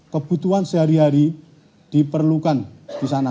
kebutuhan sehari hari diperlukan